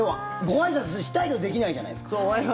ごあいさつしたいけどできないじゃないですか。